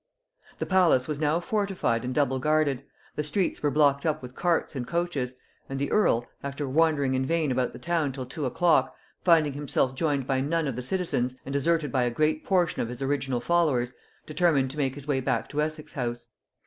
The palace was now fortified and double guarded; the streets were blocked up with carts and coaches; and the earl, after wandering in vain about the town till two o'clock, finding himself joined by none of the citizens and deserted by a great portion of his original followers, determined to make his way back to Essex house.